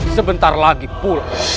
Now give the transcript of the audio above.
sebentar lagi pulang